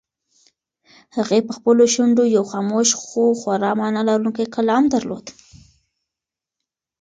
هغې په خپلو شونډو یو خاموش خو خورا مانا لرونکی کلام درلود.